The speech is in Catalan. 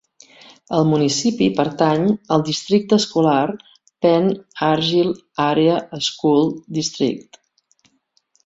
El municipi pertany al districte escolar Pen Argyl Area School District.